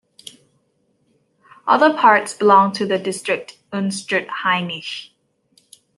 Other parts belong to the district Unstrut-Hainich.